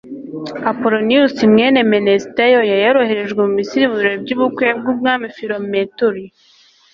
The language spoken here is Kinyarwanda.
apoloniyusi, mwene menesiteyo, yari yaroherejwe mu misiri mu birori by'ubukwe bw'umwami filometori